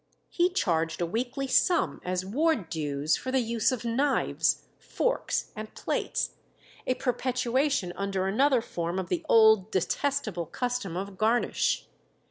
He charged a weekly sum as ward dues for the use of knives, forks, and plates a perpetuation under another form of the old detestable custom of garnish.